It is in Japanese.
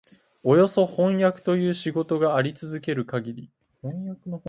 およそ飜訳という仕事があり続けるかぎり、